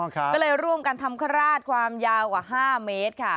ก็เลยร่วมกันทำคราชความยาวกว่า๕เมตรค่ะ